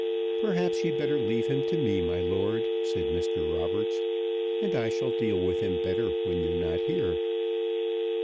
"Perhaps you'd better leave him to me, my lord," said Mr. Roberts; "and I shall deal with him better when you're not here."